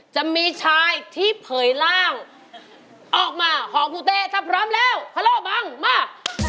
จะมีชายที่เผยร่างออกมาหอมคุณเต้ถ้าพร้อมแล้วพะโลบังมาก